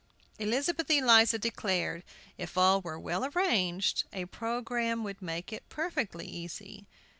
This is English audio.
Elizabeth Eliza declared if all were well arranged a programme would make it perfectly easy.